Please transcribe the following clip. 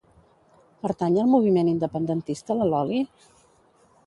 Pertany al moviment independentista la Loli?